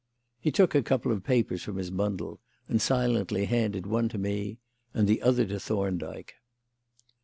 He took a couple of papers from his bundle and silently handed one to me and the other to Thorndyke.